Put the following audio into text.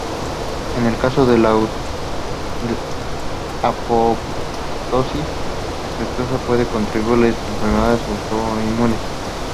En el caso de la apoptosis defectuosa, puede contribuir a las enfermedades autoinmunes.